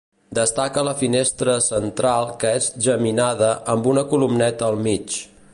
Destaca la finestra central que és geminada amb una columneta al mig.